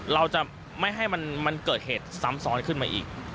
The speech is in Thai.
เราจะไม่ให้มันเกิดเหตุซ้ำซ้อนขึ้นมาอีก